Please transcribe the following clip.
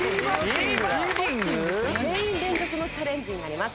全員連続のチャレンジになります。